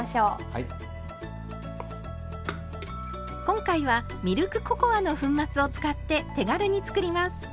今回はミルクココアの粉末を使って手軽に作ります。